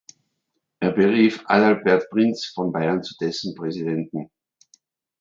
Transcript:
Er berief Adalbert Prinz von Bayern zu dessen Präsidenten.